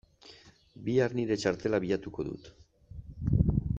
Bihar nire txartela bilatuko dut.